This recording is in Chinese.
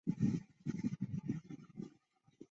桃花石是古代中亚和西亚对汉族与中国的一种称呼。